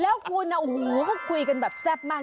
แล้วคุณอ่ะเขาคุยกันแบบแซ่บนิดนึง